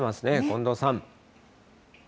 近藤さん。